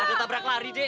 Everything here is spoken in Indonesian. ada tabrak lari deh